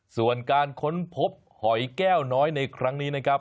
ส่วนการค้นพบหอยแก้วน้อยในครั้งนี้นะครับ